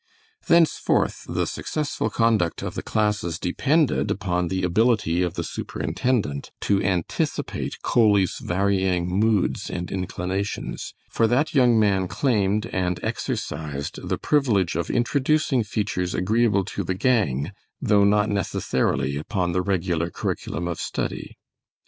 Thenceforth the successful conduct of the classes depended upon the ability of the superintendent to anticipate Coley's varying moods and inclinations, for that young man claimed and exercised the privilege of introducing features agreeable to the gang, though not necessarily upon the regular curriculum of study.